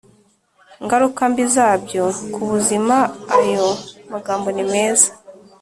ngaruka mbi zabyo ku buzima Ayo magambo nimeza